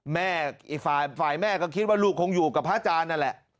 แม่อีกฝ่ายแม่ก็คิดว่าลูกคงอยู่กับพระอาจารย์นั่นแหละ